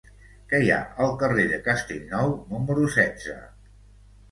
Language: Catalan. Què hi ha al carrer de Castellnou número setze?